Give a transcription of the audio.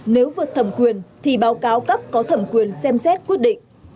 nếu vượt thẩm quyền thì báo cáo cấp có thẩm quyền xem xét quyết định